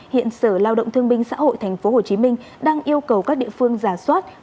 hiện sở lao động thương binh xã hội thành phố hồ chí minh đang yêu cầu các địa phương giả soát